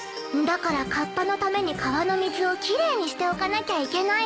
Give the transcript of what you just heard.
んだからカッパのために川の水を奇麗にしておかなきゃいけないの。